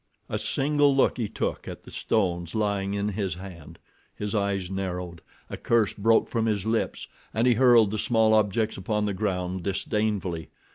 A single look he took at the stones lying in his hand. His eyes narrowed, a curse broke from his lips, and he hurled the small objects upon the ground, disdainfully.